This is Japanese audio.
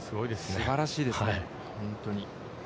すばらしいですね、本当に。